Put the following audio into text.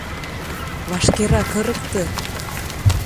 — Вашкерак ырыкте!